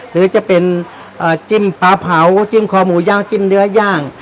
หรือจะเป็นจิ้มปลาเผาจิ้มคอหมูย่างจิ้มเนื้อย่าง